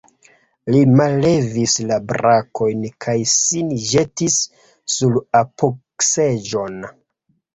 Li mallevis la brakojn kaj sin ĵetis sur apogseĝon.